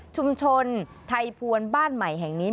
ชุมชนไทยพวนบ้านใหม่แห่งนี้